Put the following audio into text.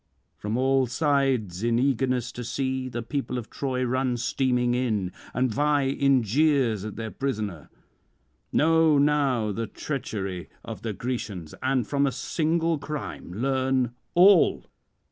From all sides, in eagerness to see, the people of Troy run streaming in, and vie in jeers at their prisoner. Know now the treachery of the Grecians, and from a single crime learn all.